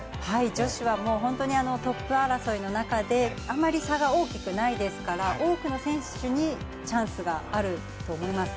女子はトップ争いの中であまり差が大きくないですから多くの選手にチャンスがあると思います。